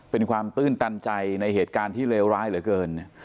เป็นความตื้นตันใจในเหตุการณ์ที่เลวร้ายเหลือเกิน